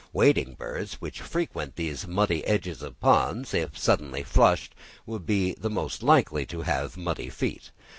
Wading birds, which frequent the muddy edges of ponds, if suddenly flushed, would be the most likely to have muddy feet.